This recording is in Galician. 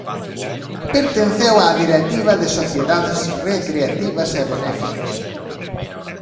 Pertenceu á directiva de sociedades recreativas e benéficas.